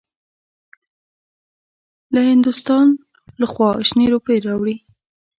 له هندوستان لخوا شنې روپۍ راوړې.